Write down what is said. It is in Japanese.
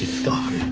はい。